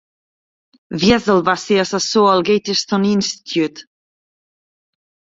Wiesel va ser assessor al Gatestone Institute.